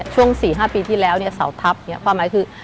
ช่วง๔๕ปีที่แล้วเสาทัพความหมายคือ